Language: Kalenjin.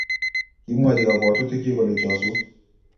kimwochi kabwotutikchich kole chosut